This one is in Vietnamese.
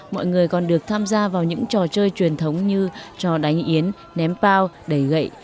mọi người còn được tham gia vào những trò chơi truyền thống như trò đánh yến ném bao đầy gậy